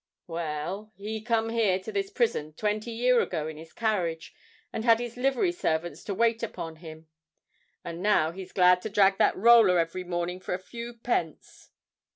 Well—he come here to this prison twenty year ago in his carriage, and had his livery servants to wait upon him; and now he's glad to drag that roller every morning for a few pence."